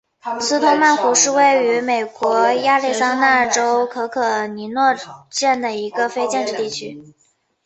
斯通曼湖是位于美国亚利桑那州可可尼诺县的一个非建制地区。